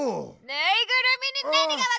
ぬいぐるみに何が分かるんだよ！